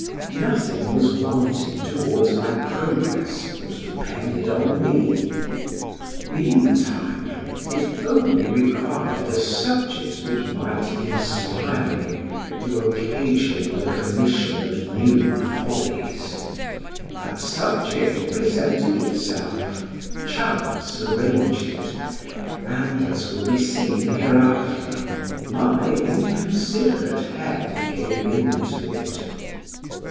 Nothing was wanting towards my progress that depended on me; meantime, it only required a subject that might inspire me to occasion the commission of new follies: that subject presented itself, chance arranged it, and (as will be seen hereafter) my inconsiderate head gave in to it.